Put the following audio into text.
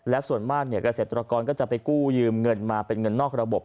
และส่วนมากเกษตรกรก็จะไปกู้ยืมเงินมาเป็นเงินนอกระบบ